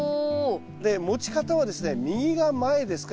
で持ち方はですね右が前ですか？